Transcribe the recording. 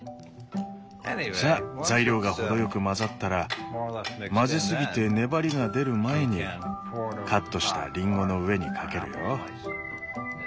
さあ材料が程よく混ざったら混ぜすぎて粘りが出る前にカットしたリンゴの上にかけるよ。